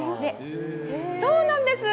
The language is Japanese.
そうなんです。